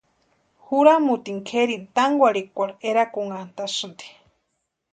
Juramutini kʼeri tánkwarhikwarhu erakunhantasïnti.